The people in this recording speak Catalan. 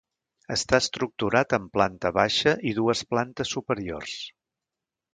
Està estructurat en planta baixa i dues plantes superiors.